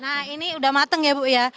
nah ini udah matang ya bu ya